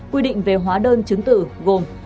quy định về hóa đơn chứng tử gồm